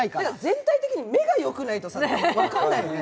全体的に目が良くないと分からないよね。